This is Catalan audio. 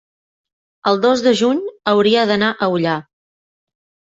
el dos de juny hauria d'anar a Ullà.